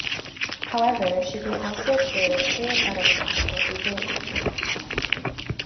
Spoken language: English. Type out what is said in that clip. However, she can also appear with clear butterfly or eagle attributes.